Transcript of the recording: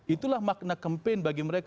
itulah makna campaign bagi mereka